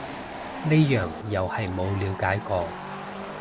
呢樣又係冇了解過